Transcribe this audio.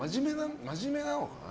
真面目なのかな。